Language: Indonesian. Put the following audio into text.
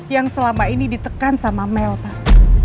yang selama ini ditekan sama mel pak